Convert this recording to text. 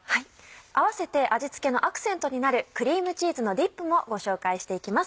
併せて味付けのアクセントになるクリームチーズのディップもご紹介していきます。